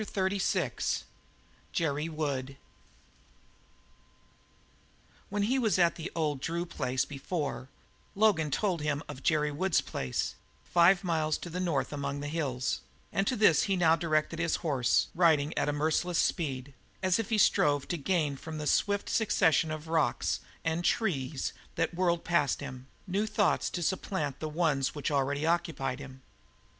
CHAPTER XXXVI JERRY WOOD When he was at the old Drew place before, Logan had told him of Jerry Wood's place, five miles to the north among the hills; and to this he now directed his horse, riding at a merciless speed, as if he strove to gain, from the swift succession of rocks and trees that whirled past him, new thoughts to supplant the ones which already occupied him.